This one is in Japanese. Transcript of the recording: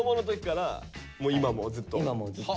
今もずっと。